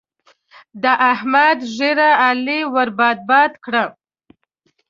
د احمد ږيره؛ علي ور باد باد کړه.